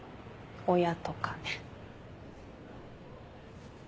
親とかね。